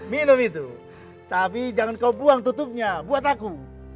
minum itu tapi jangan kau buang tutupnya buat aku